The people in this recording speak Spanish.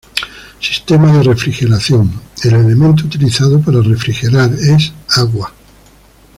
Sistema de refrigeración: El elemento utilizado para refrigerar es agua.